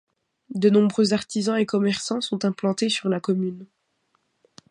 De nombreux artisans et commerçants sont implantés sur la commune.